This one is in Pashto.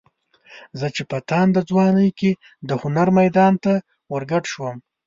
زه چې په تانده ځوانۍ کې د هنر میدان ته ورګډ شوم.